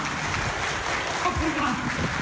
ขอขอบคุณครับ